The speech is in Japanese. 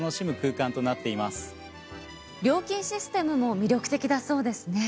料金システムも魅力的だそうですね。